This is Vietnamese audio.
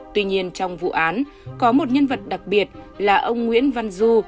tuy nhiên trong vụ án có một nhân vật đặc biệt là ông nguyễn văn du